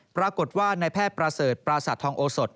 ปรากฏว่านายแพทย์ประเสริฐปราศาสตทองโอสด